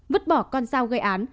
vứt bỏ con sao gây án